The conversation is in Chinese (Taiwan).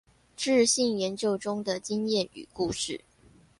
質性研究中的經驗與故事